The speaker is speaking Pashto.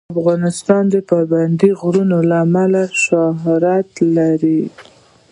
افغانستان د پابندی غرونه له امله شهرت لري.